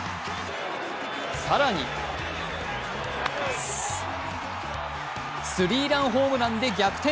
更にスリーランホームランで逆転。